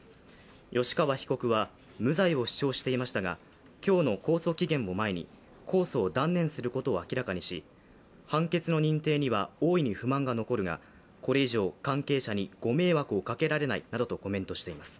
吉川被告は無罪を主張していましたが今日の控訴期限を前に控訴を断念することを明らかにし、判決の認定には大いに不満が残るがこれ以上、関係者にご迷惑をかけられないなどとコメントしています。